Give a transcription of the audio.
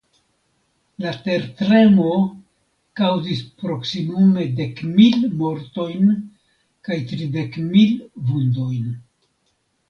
La tertremo kaŭzis proksimume dek mil mortojn kaj tridek mil vundojn.